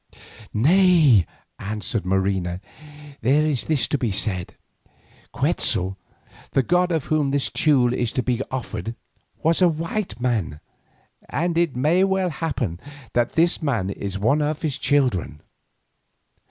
"Nay," answered Marina, "there is this to be said. Quetzal, the god to whom this Teule is to be offered, was a white man, and it may well happen that this man is one of his children.